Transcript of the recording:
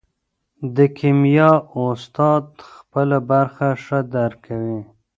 د کیمیا استاد خپله برخه ښه درک کوي.